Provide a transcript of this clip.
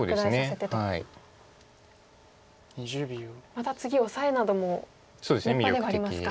また次オサエなども立派ではありますか。